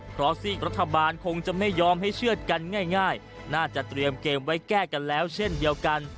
เพราะซีกรัฐบาลคงจะไม่ยอมให้เชื่อดกันง่ายน่าจะเตรียมเกมไว้แก้กันแล้วเช่นเดียวกัน